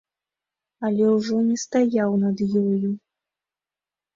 Але ўжо не стаяў над ёю.